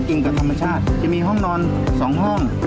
อิ่งกับธรรมชาติจะมีห้องนอนสองห้อง